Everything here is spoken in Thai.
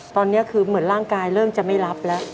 ตอนนี้คือเหมือนร่างกายเริ่มจะไม่รับแล้ว